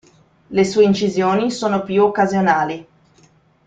Le sue incisioni sono più occasionali.